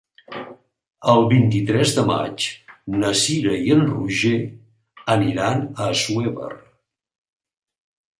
El vint-i-tres de maig na Cira i en Roger aniran a Assuévar.